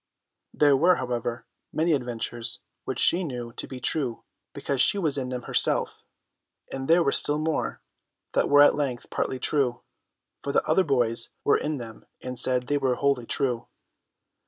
There were, however, many adventures which she knew to be true because she was in them herself, and there were still more that were at least partly true, for the other boys were in them and said they were wholly true.